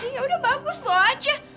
ya udah bagus kok aja